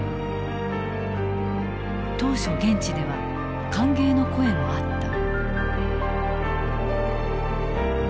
当初現地では歓迎の声もあった。